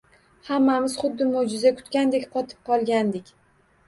Hammamiz xuddi mo‘jiza kutgandek qotib qolgandik.